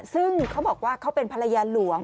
ซึ่งเขาบอกว่าเขาเป็นภรรยาหลวง